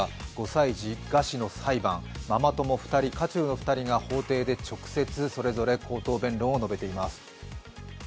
５歳児餓死の裁判、ママＴＯＭＯ２人、渦中の２人が法廷で直接、それぞれ口頭弁論を述べています。